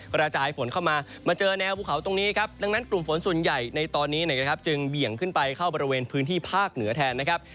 กระจายฝนเข้ามามาเจอแนวภูเขาตรงนี้ครับดังนั้นกลุ่มฝนส่วนใหญ่ในตอนนี้นะครับจึงเบี่ยงขึ้นไปเข้าบริเวณพื้นที่ภาคเหนือแทนนะครับ